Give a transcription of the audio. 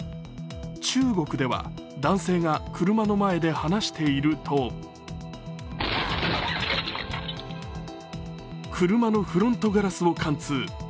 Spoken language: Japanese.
中国では男性が車の前で話していると車のフロントガラスを貫通。